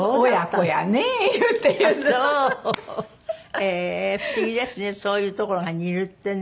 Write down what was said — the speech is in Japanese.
へえー不思議ですねそういうところが似るってね。